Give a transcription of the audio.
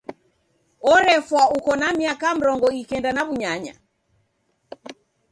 Orefwa uko na miaka mrongo ikenda na w'unyanya.